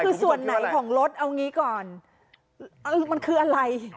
คือส่วนไหนของรถเอางี้ก่อนมันคืออะไร